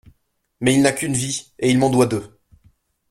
Mais il n'a qu'une vie, et il m'en doit deux.